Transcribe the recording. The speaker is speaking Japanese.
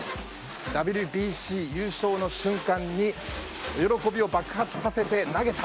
ＷＢＣ優勝の瞬間に喜びを爆発させて投げた。